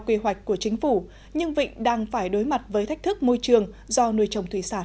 quy hoạch của chính phủ nhưng vịnh đang phải đối mặt với thách thức môi trường do nuôi trồng thủy sản